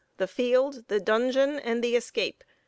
] THE FIELD, THE DUNGEON, AND THE ESCAPE.